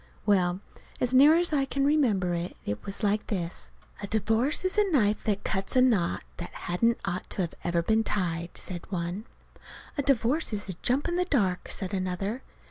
Well, as near as I can remember it was like this: "A divorce is a knife that cuts a knot that hadn't ought to ever been tied," said one. "A divorce is a jump in the dark," said another.